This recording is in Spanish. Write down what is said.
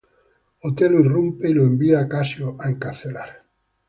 Otelo irrumpe y lo envía a Casio a encarcelar.